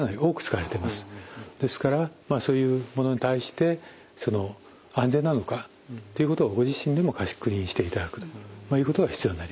ですからそういうものに対して安全なのかということをご自身でも確認していただくことが必要になります。